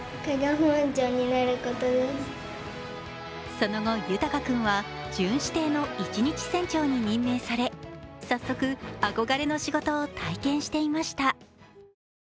その後、豊君は巡視艇の一日船長に任命され早速、憧れの仕事を体験していました。